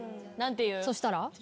そしたら？え！？